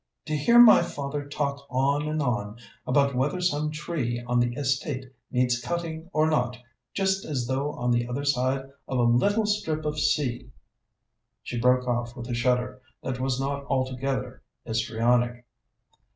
To hear my father talk on and on about whether some tree on the estate needs cutting or not, just as though on the other side of a little strip of sea " She broke off with a shudder that was not altogether histrionic.